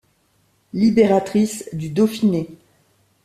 Libératrice du Dauphiné.